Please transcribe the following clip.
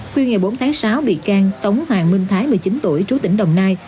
khuya ngày bốn tháng sáu bị can tống hoàng minh thái một mươi chín tuổi trú tỉnh đồng nai